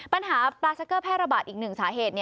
ปัญหาปลาซักเกอร์แพร่ระบาดอีกหนึ่งสาเหตุ